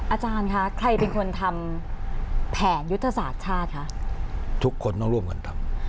อาจารย์คะใครเป็นคนทำแผนยุทธศาสตร์ชาติคะทุกคนต้องร่วมกันทำ